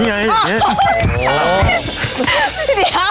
เดี๋ยว